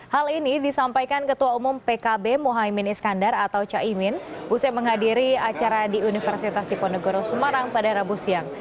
hal ini disampaikan ketua umum pkb mohaimin iskandar atau caimin usai menghadiri acara di universitas diponegoro semarang pada rabu siang